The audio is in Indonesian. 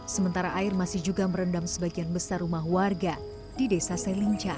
sementara air masih juga merendam sebagian besar rumah warga di desa selinca